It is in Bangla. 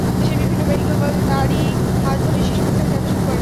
দেশের বিভিন্ন মেডিকেল কলেজে তাঁরই হাত ধরে শিশু বিভাগ যাত্রা শুরু করে।